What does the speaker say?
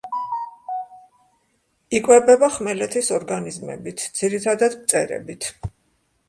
იკვებება ხმელეთის ორგანიზმებით, ძირითადად მწერებით.